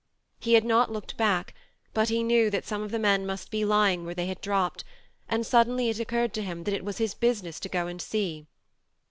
He had not looked back, but he knew that some of the men must be lying where they had dropped, and suddenly it occurred to him that it was his business to go and see.